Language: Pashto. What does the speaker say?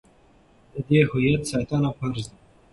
د دې هویت ساتنه فرض ده.